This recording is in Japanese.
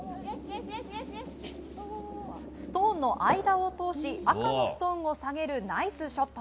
ストーンの間を通し赤のストーンを下げるナイスショット。